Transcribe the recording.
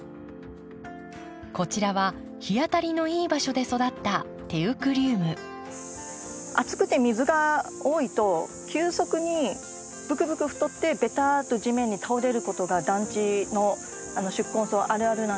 こちらは日当たりのいい場所で育った暑くて水が多いと急速にぶくぶく太ってべたっと地面に倒れることが暖地の宿根草あるあるなんですよね。